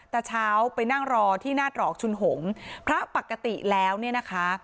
ตะเช้าไปนั่งรอที่หน้าตรอกชุนหงพระปกติแล้วเนี่ยนะคะ